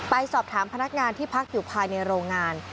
ไปสอบถามพนักงานที่พักอยู่ภายในโรงงาน